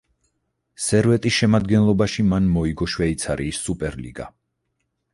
სერვეტის შემადგენლობაში მან მოიგო შვეიცარიის სუპერლიგა.